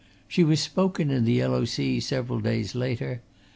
She was spoken in the Yellow Sea several days later.